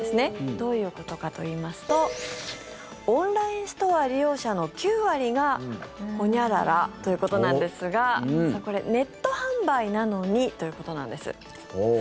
どういうことかといいますとオンラインストア利用者の９割が○○ということなんですがネット販売なのにということなんです。